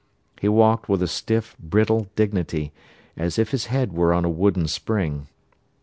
He walked with a stiff, brittle dignity, as if his head were on a wooden spring.